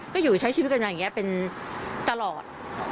ก็อยู่ใช้ชีวิตกันมาอย่างนี้เป็นตลอด